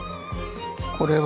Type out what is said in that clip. これは。